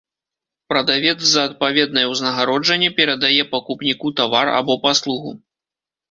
Прадавец за адпаведнае ўзнагароджанне перадае пакупніку тавар або паслугу.